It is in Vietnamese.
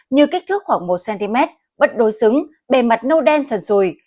như kích thước khoảng một cm bất đối xứng bề mặt nâu đen sần rùi